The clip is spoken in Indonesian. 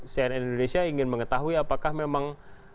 cnn indonesia ingin mengetahui apakah memang